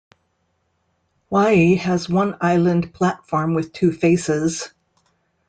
Wyee has one island platform with two faces.